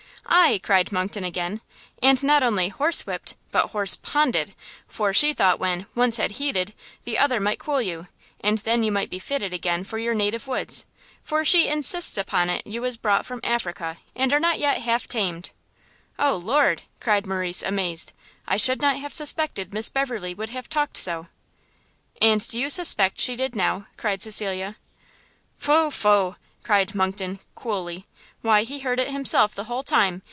"Ay," cried Monckton, again, "and not only horse whipt, but horse ponded, for she thought when, one had heated, the other might cool you; and then you might be fitted again for your native woods, for she insists upon it you was brought from Africa, and are not yet half tamed." "O Lord!" cried Morrice, amazed, "I should not have suspected Miss Beverley would have talked so!" "And do you suspect she did now?" cried Cecilia. "Pho, pho," cried Monckton, coolly, "why he heard it himself the whole time!